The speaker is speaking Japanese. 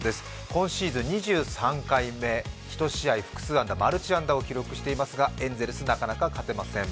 今シーズン２３回目、１試合複数安打マルチ安打を記録していますが、エンゼルス、なかなか勝てません。